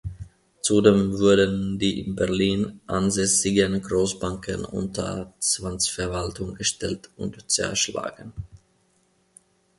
Zudem wurden die in Berlin ansässigen Großbanken unter Zwangsverwaltung gestellt und zerschlagen.